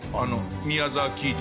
宮澤喜一